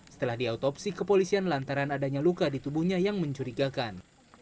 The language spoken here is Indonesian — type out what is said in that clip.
setelah diautopsi kepolisian lantaran adanya luka di tubuhnya yang mencurigakan